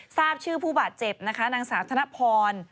ทราบชื่อผู้บาดเจ็บนางศาสตร์ธนพร